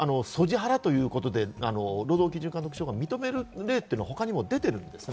ハラということで、労働基準監督署が認める例というのは他にも出ているんです。